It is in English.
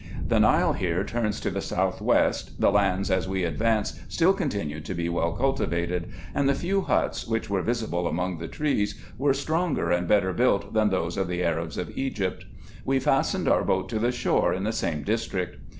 The Nile here turns to the south west, the lands as we advanced still continued to be well cultivated, and the few huts, which were visible among the trees, were stronger and better built than those of the Arabs of Egypt. We fastened our boat to the shore, in the same district.